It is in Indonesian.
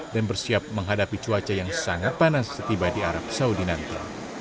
dan bersiap menghadapi cuaca yang sangat panas setiba di arab saudi nanti